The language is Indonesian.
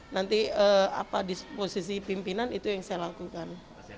nanti apa disposisi pimpinan itu yang saya lakukan